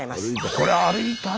これ歩いたね